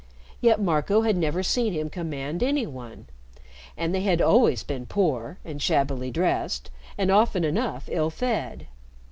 Yet Marco had never seen him command any one, and they had always been poor, and shabbily dressed, and often enough ill fed.